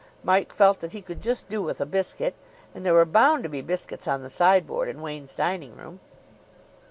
Mike felt that he could just do with a biscuit. And there were bound to be biscuits on the sideboard in Wain's dining room.